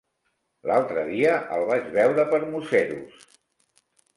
L'altre dia el vaig veure per Museros.